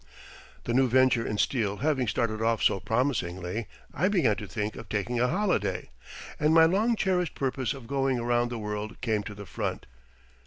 The new venture in steel having started off so promisingly, I began to think of taking a holiday, and my long cherished purpose of going around the world came to the front.